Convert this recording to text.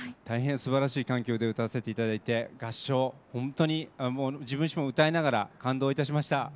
大変すばらしい環境で歌わせていただいて合唱、本当に自分自身も歌いながら感動いたしました。